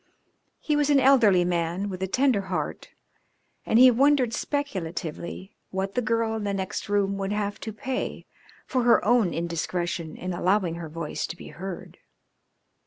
He was an elderly man with a tender heart, and he wondered speculatively what the girl in the next room would have to pay for her own indiscretion in allowing her voice to be heard.